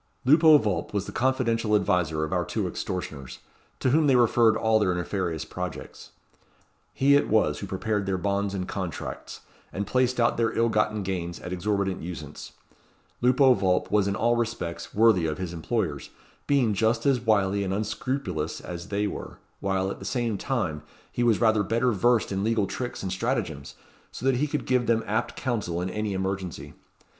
Lupo Vulp was the confidential adviser of our two extortioners, to whom they referred all their nefarious projects. He it was who prepared their bonds and contracts, and placed out their ill gotten gains at exorbitant usance. Lupo Vulp was in all respects worthy of his employers, being just as wily and unscrupulous as they were, while, at the same time, he was rather better versed in legal tricks and stratagems, so that he could give them apt counsel in any emergency.